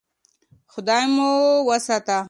خدای به مو وساتي.